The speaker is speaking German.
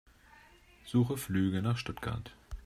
Suche Flüge nach Stuttgart.